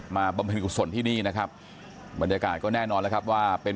บำเพ็ญกุศลที่นี่นะครับบรรยากาศก็แน่นอนแล้วครับว่าเป็น